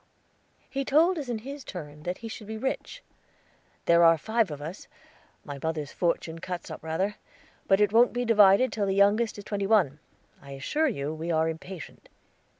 He told us in his turn that he should be rich. "There are five of us. My mother's fortune cuts up rather; but it wont be divided till the youngest is twenty one. I assure you we are impatient."